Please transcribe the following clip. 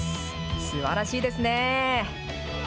すばらしいですね。